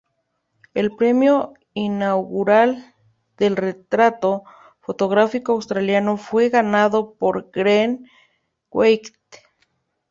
El premio inaugural del Retrato Fotográfico Australiano fue ganado por Greg Weight.